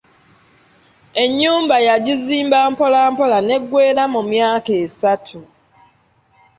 Ennyumba yagizimba mpolampola n’eggweera mu myaka esatu.